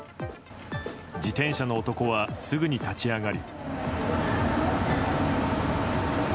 自転車の男はすぐに立ち上がり。